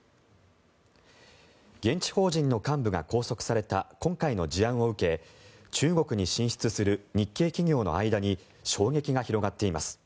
現地法人の幹部が拘束された今回の事案を受け中国に進出する日系企業の間に衝撃が広がっています。